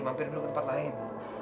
mampir dulu ke tempat lain